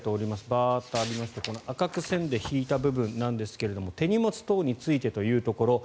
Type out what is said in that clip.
バーッとありまして赤く線で引いた部分なんですが手荷物等についてというところ。